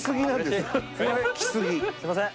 すいません。